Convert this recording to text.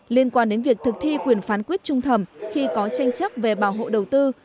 liên quan đến việc thực thi quyền phán quyết trung thầm khi có tranh chấp về bảo hộ đầu tư